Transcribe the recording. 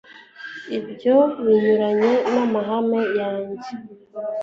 Ibyo binyuranyije namahame yanjye